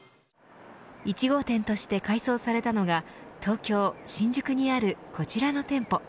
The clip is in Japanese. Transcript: １号店として改装されたのが東京、新宿にあるこちらの店舗。